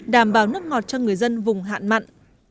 đảm bảo nước ngọt cho người dân vùng hạn mặn